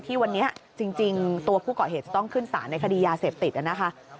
ที่วันนี้จริงตัวผู้ก่อเหตุจะต้องขึ้นสารในคดียาเสพติดนะคะ